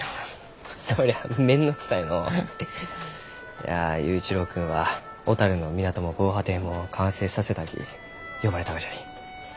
いや佑一郎君は小樽の港も防波堤も完成させたき呼ばれたがじゃに。